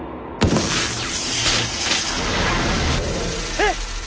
えっ！？